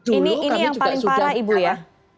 ini yang paling parah ibu ya